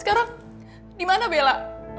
sekarang di mana bella